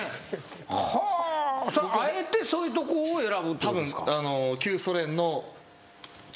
はぁそれはあえてそういう所を選ぶってことですか？